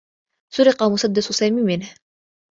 سُرق مدّس سامي منه.